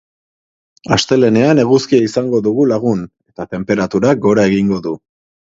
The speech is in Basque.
Astelehenean eguzkia izango dugu lagun eta tenperaturak gora egingo du.